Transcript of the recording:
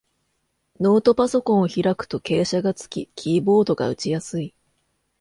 ノートパソコンを開くと傾斜がつき、キーボードが打ちやすい